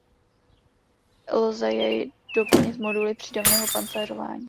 Lze jej doplnit moduly přídavného pancéřování.